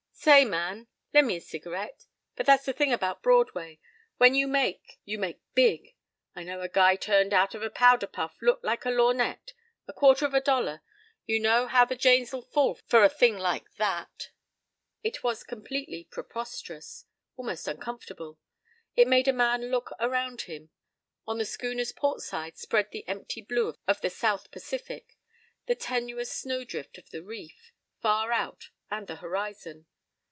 Say, man, len' me a cigarette.—But that's the thing about Broadway. When you make, you make big. I know a guy turned out a powder puff looked like a lor'nette—a quarter of a dollar. You know how the Janes'll fall for a thing like that—"It was completely preposterous, almost uncomfortable. It made a man look around him. On the schooner's port side spread the empty blue of the South Pacific; the tenuous snowdrift of the reef, far out, and the horizon.